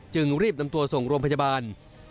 จึงรีบนำตัวส่งร่วมพจบาล